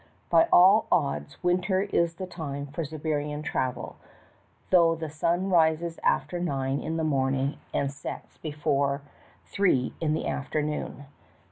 By all odds winter is the time for Siberian travel, though the sun rises after nine in the morning and sets before three in the after noon.